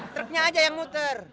truknya aja yang muter